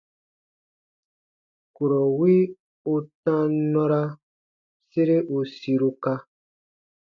Kurɔ wi u tam nɔra sere u siruka.